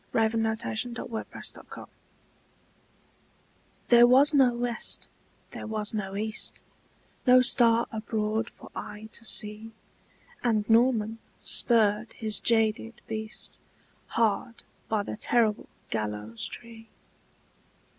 W X . Y Z The Demon of the Gibbet THERE was no west, there was no east, No star abroad for eye to see; And Norman spurred his jaded beast Hard by the terrible gallows tree.